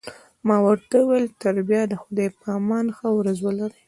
ما ورته وویل: تر بیا د خدای په امان، ښه ورځ ولرئ.